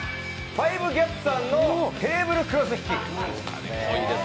５ＧＡＰさんのテーブルクロス引き。